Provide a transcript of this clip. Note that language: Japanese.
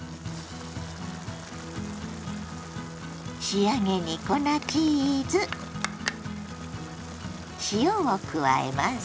仕上げに粉チーズ塩を加えます。